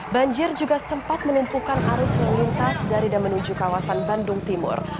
banjir juga sempat menumpukan arus lalu lintas dari dan menuju kawasan bandung timur